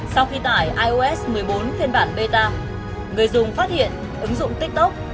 sau khi tải ios một mươi bốn phiên bản bta người dùng phát hiện ứng dụng tiktok